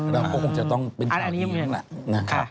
เราก็อาจจะต้องเป็นการนี้แหละนะครับ